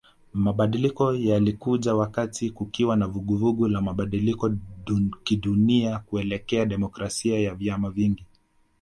Mabadiliko yalikuja wakati kukiwa na vuguvugu la mabadiliko kidunia kuelekea demokrasia ya vyama vingi